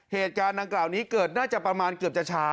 เหตุการณ์ดังกล่าวนี้เกิดน่าจะประมาณเกือบจะช้า